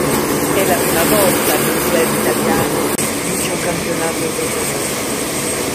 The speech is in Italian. È la prima volta che un Club Italiano vince un Campionato Europeo.